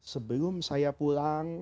sebelum saya pulang